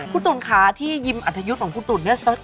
คุณตุ๋นค่ะที่ยิมอัธยุทธ์ของคุณตุ๋นเนี่ย